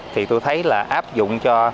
thì tôi thấy là áp dụng cho